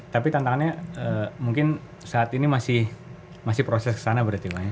tapi tantangannya mungkin saat ini masih proses kesana berarti